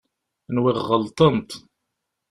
Nwiɣ ɣelḍent.